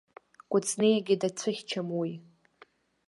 Кәыҵниагьы дацәыхьчам уи.